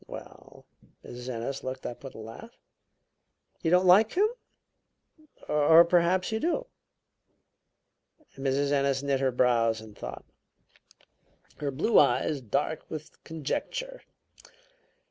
"Well " Mrs. Ennis looked up with a laugh. "You don't like him? Or perhaps you do?" Mrs. Ennis knit her brows in thought, her blue eyes dark with conjecture.